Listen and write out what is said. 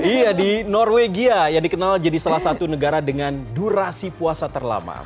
iya di norwegia yang dikenal jadi salah satu negara dengan durasi puasa terlama